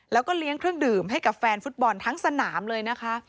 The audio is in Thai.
แล้วก็เลี้ยงเครื่องดื่มให้กับแฟนฟุตบอลทั้งสนามเลยนะคะ